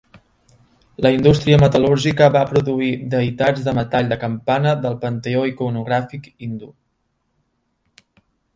La indústria metal·lúrgica va produir deïtats de metall de campana del panteó iconogràfic hindú.